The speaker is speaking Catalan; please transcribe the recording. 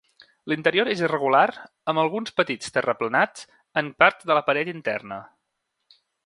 L'interior és irregular amb alguns petits terraplenats en parts de la paret interna.